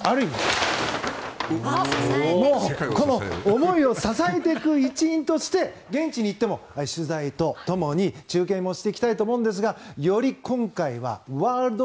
ある意味、この思いを支えていく一員として現地に行っても取材とともに中継をしていきたいと思うんですがより今回はワールド！